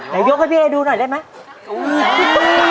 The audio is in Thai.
ได้นะไหนยกให้พี่เอดูหน่อยได้ไหมโทษค่ะ